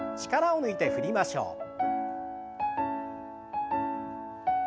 力を抜いて振りましょう。